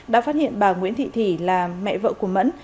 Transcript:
đã phát hiện bà nguyễn thị thủy là mẹ vợ của mẫn